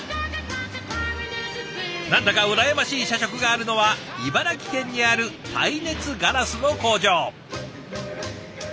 何だか羨ましい社食があるのは茨城県にある耐熱ガラスの工場。